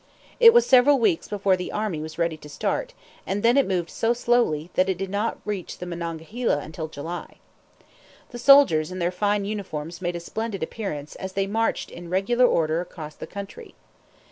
It was several weeks before the army was ready to start: and then it moved so slowly that it did not reach the Monongahela until July. The soldiers in their fine uniforms made a splendid appearance as they marched in regular order across the country.